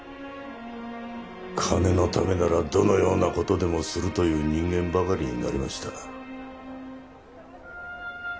金のためならどのような事でもするという人間ばかりになりました。